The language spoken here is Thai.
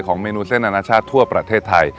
เมนูเส้นอนาชาติทั่วประเทศไทย